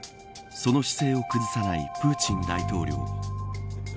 その姿勢を崩さないプーチン大統領。